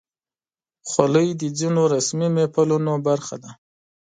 خولۍ د ځینو رسمي محفلونو برخه ده.